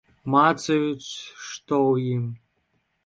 Мацаюць, што ў ім.